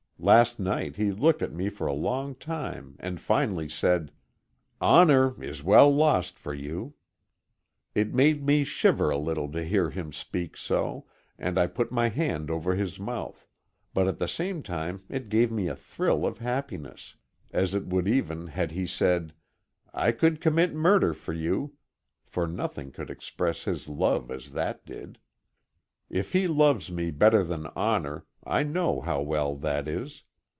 Last night, he looked at me for a long time and finally said: "Honor is well lost for you." It made me shiver a little to hear him speak so, and I put my hand over his mouth, but at the same time it gave me a thrill of happiness as it would even had he said, "I could commit murder for you," for nothing could express his love as that did. If he loves me better than honor, I know how well that is.